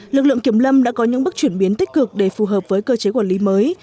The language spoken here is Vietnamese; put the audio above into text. lực lượng kiểm lâm đã có những bước chuyển biến tích cực để phù hợp với cơ chế quản lý mới